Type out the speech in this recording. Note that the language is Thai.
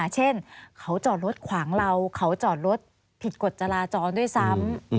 เช่นเขาจอดรถขวางเราเขาจอดรถผิดกฎจราจรด้วยซ้ำ